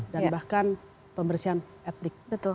dan bahkan pembersihan etnik